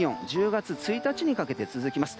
１０月１日にかけて続きます。